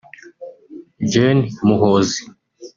Gen Muhozi